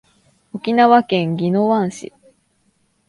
沖縄県宜野湾市